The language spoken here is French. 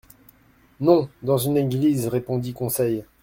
—Non, dans une église, répondit Conseil.